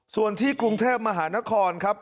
ส่วนที่กรุงเทพมหานครครับ